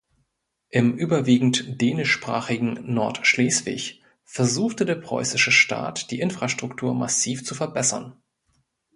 Im überwiegend dänischsprachigen Nordschleswig versuchte der preußische Staat die Infrastruktur massiv zu verbessern.